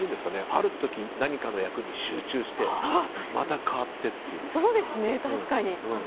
ある時、役に集中してまた変わってっていう。